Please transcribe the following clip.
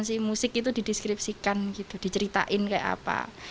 si musik itu dideskripsikan gitu diceritain kayak apa